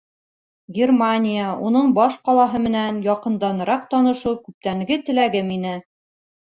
— Германия, уның баш ҡалаһы менән яҡынданыраҡ танышыу күптәнге теләгем ине.